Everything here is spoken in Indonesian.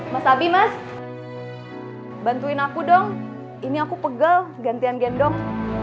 mas abi mas bantuin aku dong ini aku pegal gantian gendong